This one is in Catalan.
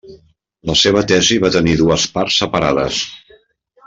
La seva tesi va tenir dues parts separades.